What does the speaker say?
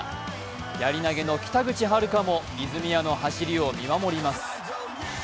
やり投げの北口榛花も泉谷の走りを見守ります